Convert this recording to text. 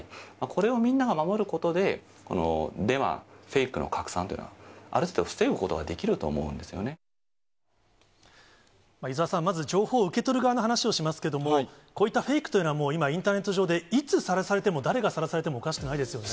これをみんなが守ることで、デマ・フェイクの拡散というのは、ある程度、防ぐことができると思伊沢さん、まず情報を受け取る側の話をしますけれども、こういったフェイクというのは、もう今、インターネット上でいつさらされても、誰がさらされてもおかしくないですよね。